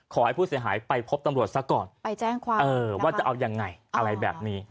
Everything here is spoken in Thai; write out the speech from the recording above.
ขอให้ผู้เสียหายไปพบตำรวจซะก่อนไปแจ้งความเออว่าจะเอายังไงอะไรแบบนี้